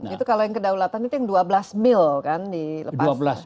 itu kalau yang kedaulatan itu yang dua belas mil kan dilepas